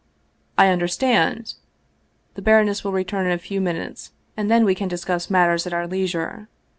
" I understand ! the baroness will return in a few minutes and then we can discuss matters at our leisure."